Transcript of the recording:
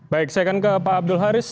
baik saya akan ke pak abdul haris